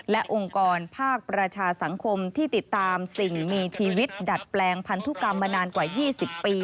และองค์กรภาคประชาสังคมที่ติดตามสิ่งมีชีวิตดัดแปลงพันธุกรรมมานานกว่า๒๐ปี